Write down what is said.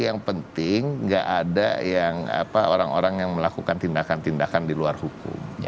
yang penting gak ada yang orang orang yang melakukan tindakan tindakan di luar hukum